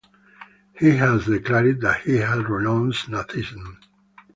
He has declared that he has renounced Nazism.